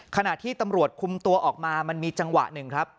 ขณะที่ตำรวจคุมตัวออกมามันมีจังหวะหนึ่งครับ